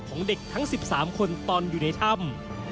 ของเด็กทั้ง๑๓คนตอนอยู่ในถ้ำ